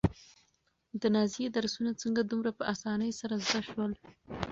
د نازيې درسونه څنګه دومره په اسانۍ سره زده شول؟